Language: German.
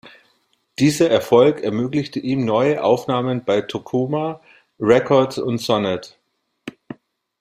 Dieser Erfolg ermöglichte ihm neue Aufnahmen bei Takoma Records und Sonet.